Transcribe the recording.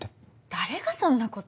誰がそんなこと？